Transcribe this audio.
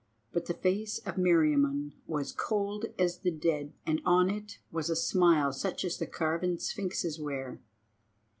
But the face of Meriamun was cold as the dead, and on it was a smile such as the carven sphinxes wear.